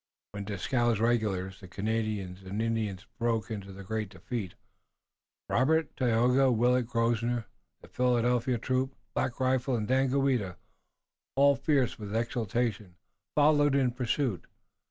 When Dieskau's regulars, the Canadians and the Indians, broke in the great defeat, Robert, Tayoga, Willet, Grosvenor, the Philadelphia troop, Black Rifle and Daganoweda, all fierce with exultation, followed in pursuit.